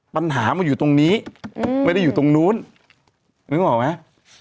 ปัญหามันอยู่ตรงนี้ไม่ได้อยู่ตรงนู้นนึกออกไหม